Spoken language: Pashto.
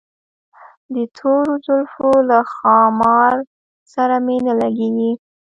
د تورو زلفو له ښامار سره مي نه لګیږي